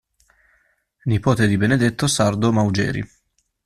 Nipote di Benedetto Sardo Maugeri.